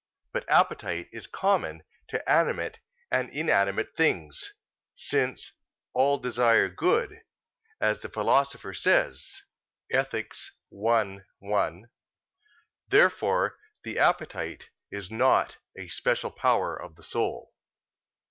But appetite is common to animate and inanimate things: since "all desire good," as the Philosopher says (Ethic. i, 1). Therefore the appetite is not a special power of the soul.